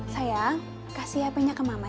sayang kasih hpnya ke mama ya nak ya